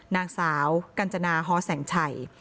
นางสาวกัญจนาฮอแสงชัย